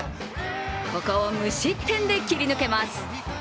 ここを無失点で切り抜けます。